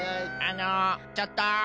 あのちょっと！